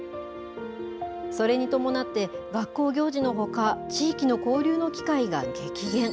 それに伴って、学校行事のほか、地域の交流の機会が激減。